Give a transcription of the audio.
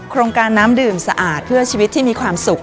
โครงการน้ำดื่มสะอาดเพื่อชีวิตที่มีความสุข